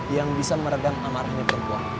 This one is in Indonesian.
yang bisa meredam amarahnya perempuan